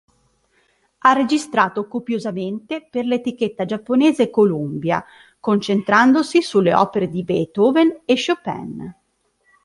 Ha registrato copiosamente per l'etichetta giapponese "Columbia", concentrandosi sulle opere di Beethoven e Chopin.